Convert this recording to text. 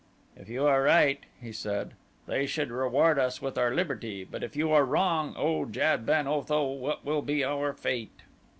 "If you are right," he said, "they should reward us with our liberty, but if you are wrong, O Jad ben Otho, what will be our fate?"